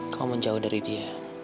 kamu menjauh dari dia